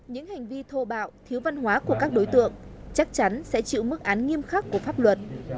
những hành vi thô bạo thiếu văn hóa của các đối tượng chắc chắn sẽ chịu mức án nghiêm khắc của pháp luật